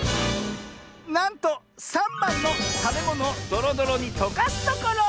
なんと３ばんの「たべものをどろどろにとかすところ」！